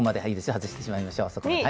外してしまいましょう。